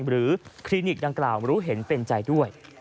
คลินิกดังกล่าวรู้เห็นเป็นใจด้วย